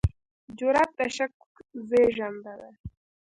جرئت د شک زېږنده دی.